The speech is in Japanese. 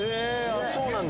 あっそうなんだ